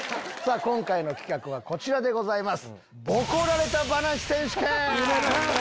今回の企画はこちらでございます。